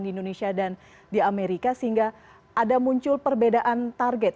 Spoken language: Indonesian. di indonesia dan di amerika sehingga ada muncul perbedaan target